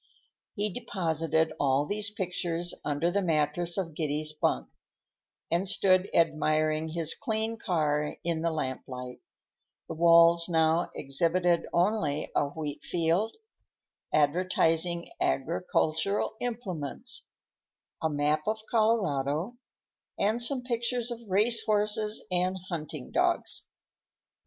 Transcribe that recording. He deposited all these pictures under the mattress of Giddy's bunk, and stood admiring his clean car in the lamplight; the walls now exhibited only a wheatfield, advertising agricultural implements, a map of Colorado, and some pictures of race horses and hunting dogs.